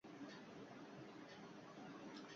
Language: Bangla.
আমি পোলাপানের জন্য সব ব্যবস্থা করে রেখেছি।